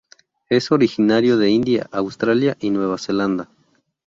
Es originario de India, Australia y Nueva Zelanda.